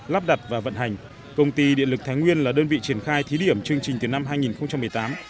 lắp đặt và vận hành công ty điện lực thái nguyên là đơn vị triển khai thí điểm chương trình từ năm hai nghìn một mươi tám